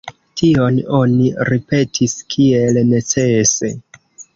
Tion oni ripetis kiel necese.